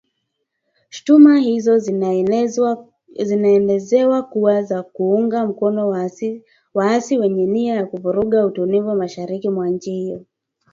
Shutuma hizo zinaelezewa kuwa za kuunga mkono waasi , wenye nia ya kuvuruga utulivu mashariki mwa nchi hiyo